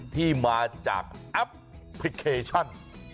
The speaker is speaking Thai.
ที่มาจากแอปพลิเคชัน